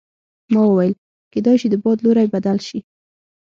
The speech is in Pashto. ما وویل کیدای شي د باد لوری بدل شي.